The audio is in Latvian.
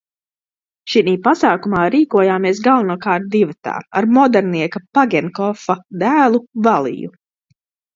Šinī pasākumā rīkojāmies galvenokārt divatā ar modernieka Pagenkopfa dēlu Valiju.